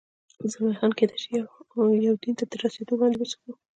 زلمی خان: کېدای شي یوډین ته تر رسېدو وړاندې، وڅښو.